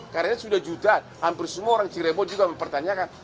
karena sudah jutaan hampir semua orang cirebon juga mempertanyakan